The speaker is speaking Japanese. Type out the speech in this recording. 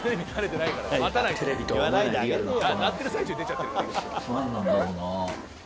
なんなんだろうな？